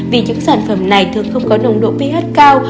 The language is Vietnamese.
vì những sản phẩm này thường không có nồng độ p cao